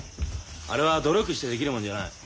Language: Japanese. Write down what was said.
あれは努力してできるもんじゃない。